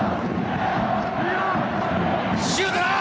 シュートだ！